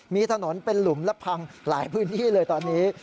มีถนนเป็นหลุมและพังหลายพื้นที่เลยตอนนี้